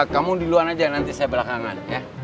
kamu duluan aja nanti saya belakangan ya